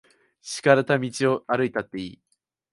敷かれた道を歩いたっていい。